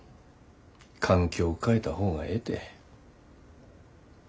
環境変えた方がええて。